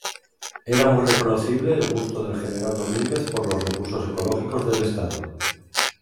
Era muy reconocible el gusto del general Domínguez por los recursos ecológicos del estado.